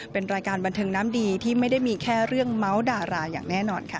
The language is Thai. เป็นรายการบันเทิงน้ำดีที่ไม่ได้มีแค่เรื่องเมาส์ดาราอย่างแน่นอนค่ะ